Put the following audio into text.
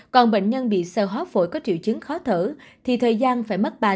còn bệnh nhân bị sơ hóa phổi có triệu chứng khó thở thì thời gian phải mất ba sáu tháng